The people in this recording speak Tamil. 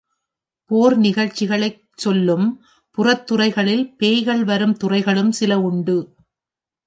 போர் நிகழ்ச்சிகளைச் சொல்லும் புறத் துறைகளில் பேய்கள் வரும் துறைகளும் சில உண்டு.